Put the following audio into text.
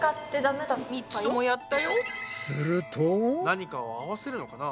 何かを合わせるのかな？